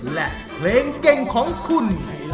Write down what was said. และเพลงเก่งของคุณ